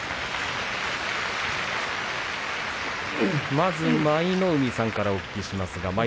まず舞の海さんからお聞きします。